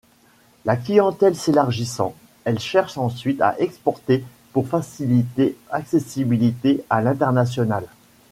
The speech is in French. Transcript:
La clientèle s'élargissant, elle cherche ensuite à exporter pour faciliter accessibilité à l'international.